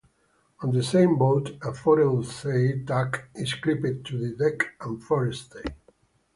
On the same boat, a foresail tack is clipped to the deck and forestay.